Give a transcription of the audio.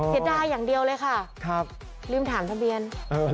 เห็นได้อย่างเดียวเลยค่ะครับลืมถามทะเบียนอืม